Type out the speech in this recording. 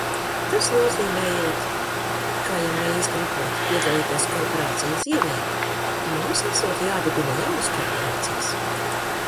Tas nozīmējot, ka ja mēs gribot piedalīties korporāciju dzīvē, mums esot jādibina jaunas korporācijas.